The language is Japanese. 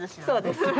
そうです。